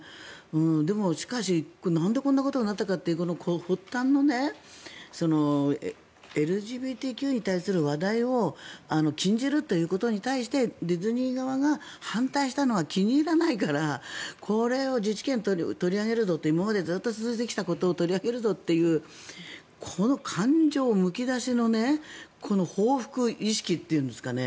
でも、しかし、なんでこんなことになったかという発端のＬＧＢＴＱに対する話題を禁じるということに関してディズニー側が反対したのが気に入らないから自治権を取り上げるぞって今までずっと続いてきたことを取り上げるぞというこの感情むき出しの報復意識というんですかね